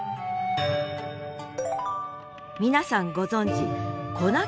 皆さんご存じこ